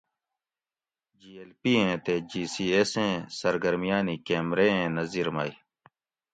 جی ایل پی ایں تے جی سی ایس ایں سرگرمیانی کیمرے ایں نظِر مئ